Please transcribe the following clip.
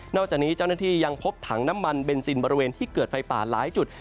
จากนี้เจ้าหน้าที่ยังพบถังน้ำมันเบนซินบริเวณที่เกิดไฟป่าหลายจุด